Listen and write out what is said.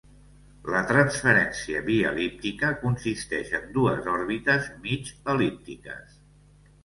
La transferència biel·líptica consisteix en dues òrbites mig el·líptiques.